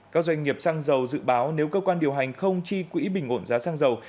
các doanh nghiệp xăng dầu dự báo nếu cơ quan điều hành không chi quỹ bình ổn giá xăng dầu